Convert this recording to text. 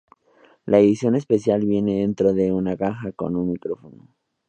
La Edición Especial viene dentro de una caja con un micrófono.